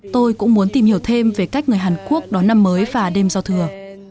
tôi cũng muốn tìm hiểu thêm về cách người hàn quốc đón năm mới và đêm giao thừa